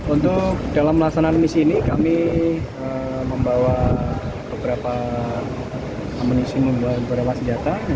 untuk dalam pelaksanaan misi ini kami membawa beberapa amunisi membawa beberapa senjata